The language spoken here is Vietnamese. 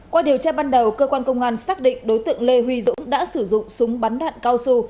qua điều tra ban đầu cơ quan công an xác định đối tượng lê huy dũng đã sử dụng súng bắn đạn cao su